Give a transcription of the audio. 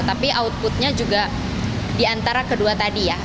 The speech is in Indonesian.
tapi outputnya juga di antara kedua tadi ya